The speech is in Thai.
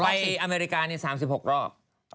ไปอเมริกานี่๓๖รอบ